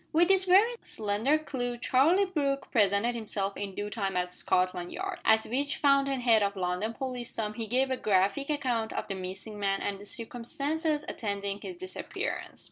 With this very slender clue Charlie Brooke presented himself in due time at Scotland Yard, at which fountain head of London policedom he gave a graphic account of the missing man and the circumstances attending his disappearance.